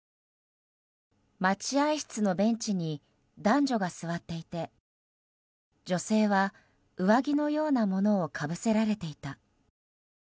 待合室のベンチに男女が座っていて女性は上着のようなものをかぶせられていた。